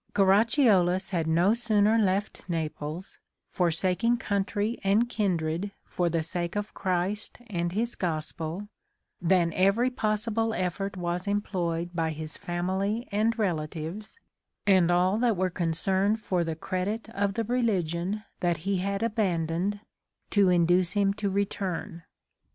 Caracciolus had no sooner left Naples, forsaking country and kindred for the sake of Christ and his gospel, than every possible effort was employed by his family and relatives, and all that were concerned for the credit of the religion that he had abandoned, to induce him to return.